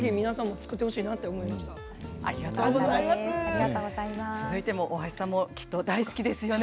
続いてもきっと大橋さんも大好きですよね。